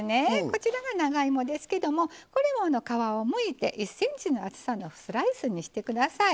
こちらが長芋ですけれどもこれも皮をむいて１ｃｍの厚さのスライスにしてください。